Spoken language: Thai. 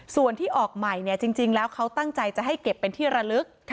ส่วนที่ออกใหม่จริงแล้วเขาตั้งใจจะให้เก็บเป็นที่ระลึก